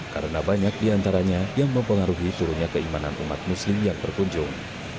karena banyak diantaranya yang mempengaruhi turunnya keimanan umat muslim yang berkunjung